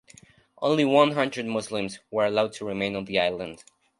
Only one hundred Muslims were allowed to remain on the island.